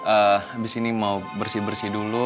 ah abis ini mau bersih bersih dulu